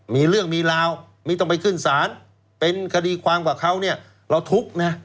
มีเรื่องมีราวไม่ต้องไปขึ้นศาลเป็นคดีความกับเขาเนี่ยเราทุกข์นะ